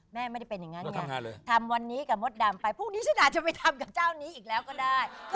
แม่ไม่ได้เป็นอย่างนั้นไงทำวันนี้กับมดดำไปพรุ่งนี้ฉันอาจจะไปทำกับเจ้านี้อีกแล้วก็ได้